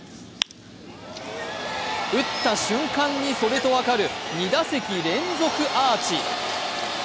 打った瞬間にそれと分かる２打席連続アーチ。